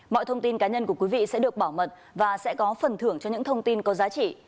mọi thông tin cá nhân của quý vị sẽ được bảo mật và sẽ có phần thưởng cho những thông tin có giá trị